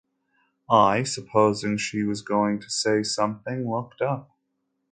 I, supposing she was going to say something, looked up.